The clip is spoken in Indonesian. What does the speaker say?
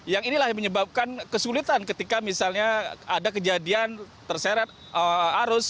yang inilah yang menyebabkan kesulitan ketika misalnya ada kejadian terseret arus